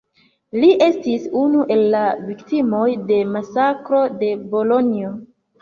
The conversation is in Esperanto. Li estis unu el la viktimoj de masakro de Bolonjo.